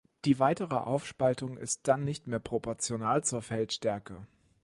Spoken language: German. Die weitere Aufspaltung ist dann nicht mehr proportional zur Feldstärke.